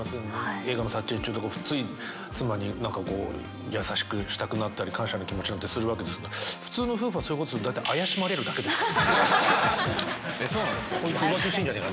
映画の撮影中とか、つい、妻になんかこう、優しくしたくなったり、感謝の気持ちなんてするわけですが、普通の夫婦はそういうことすると、怪しまれるだけですから。